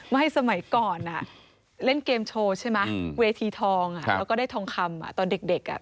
ไม่สมัยก่อนเล่นเกมโชว์ใช่ไหมเวทีทองแล้วก็ได้ทองคำตอนเด็ก